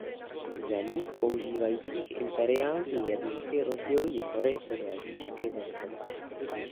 V zemích používajících imperiální jednotky rozdělují hory podle výšky ve stopách.